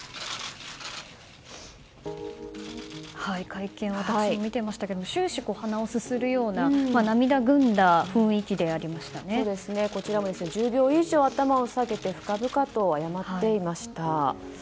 会見を私も見てましたけど終始、鼻をすするような涙ぐんだこちらも１０秒以上頭を下げて深々と謝っていました。